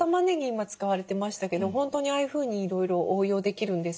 今使われてましたけど本当にああいうふうにいろいろ応用できるんです。